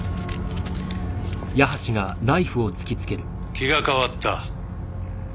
気が変わった。